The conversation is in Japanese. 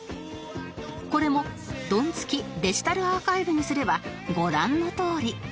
これもドンツキデジタルアーカイブにすればご覧のとおり